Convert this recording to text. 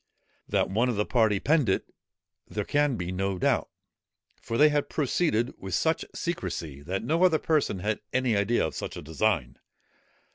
That one of the party penned it there can be no doubt; for they had proceeded with so much secresy, that no other person had any idea of such a design.